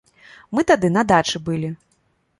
Мы тады на дачы былі.